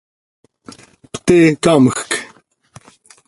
¡Pte camjc!